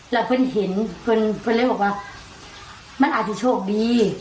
แล้วเพื่อนเห็นเพื่อนเลยบอกว่ามันอาจจะโชคดี